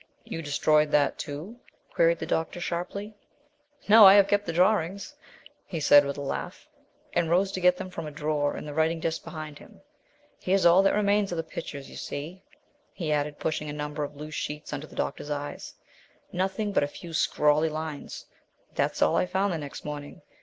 "You destroyed that, too?" queried the doctor sharply. "No; I have kept the drawings," he said, with a laugh, and rose to get them from a drawer in the writing desk behind him. "Here is all that remains of the pictures, you see," he added, pushing a number of loose sheets under the doctor's eyes; "nothing but a few scrawly lines. That's all I found the next morning.